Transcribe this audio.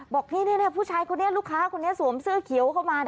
บอกฟูชายคนนี้ลูกค้าซวมเสื้อเขียวเข้ามา